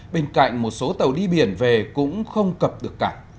bên cạnh một số tàu đi biển về cũng không cập được cả